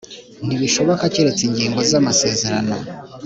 Ntibishoboka keretse ingingo z amasezerano